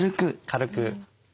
軽く。